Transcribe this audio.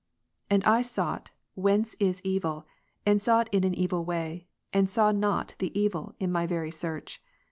And I sought, "whence is evil," and sought in an evil way; and saw not the evil in my very search.